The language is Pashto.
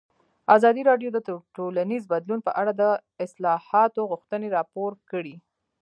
ازادي راډیو د ټولنیز بدلون په اړه د اصلاحاتو غوښتنې راپور کړې.